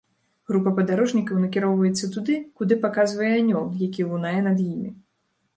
Група падарожнікаў накіроўваецца туды, куды паказвае анёл, які лунае над імі.